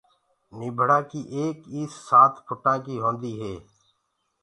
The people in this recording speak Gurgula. نيٚڀڙآ ڪيٚ ايڪ ايس سآت ڦُٽآنٚ ڪيٚ هونٚديٚ هي